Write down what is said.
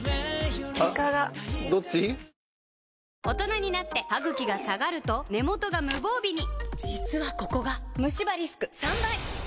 大人になってハグキが下がると根元が無防備に実はここがムシ歯リスク３倍！